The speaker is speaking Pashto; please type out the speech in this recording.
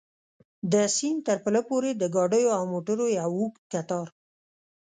د سیند تر پله پورې د ګاډیو او موټرو یو اوږد کتار.